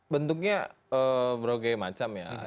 bentuknya berbagai macam ya